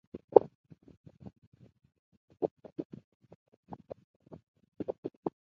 Áféchwe yabhlɛ́ ka, wo ebhá lɛ ncí nannan.